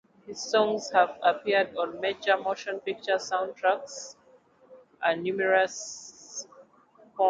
His songs have appeared on major motion picture soundtracks and numerous compilations.